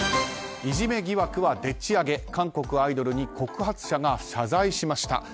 いじめ疑惑はでっち上げ韓国アイドルに告発者が謝罪しました。